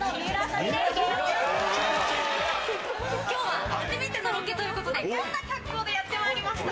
きょうは初めてのロケということで、こんな格好でやってまいりました。